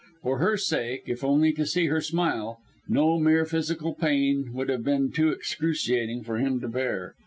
For her sake if only to see her smile, no mere physical pain would have been too excruciating for him to bear.